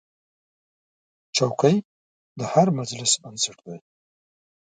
چوکۍ د هر مجلس بنسټ دی.